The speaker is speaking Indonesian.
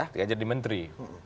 ketika menjadi menteri